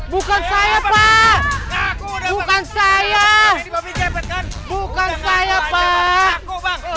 bukan saya pak bukan saya bukan saya pak